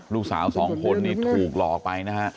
ลูกสาวสองคนนี่ถูกหลอกไปนะฮะ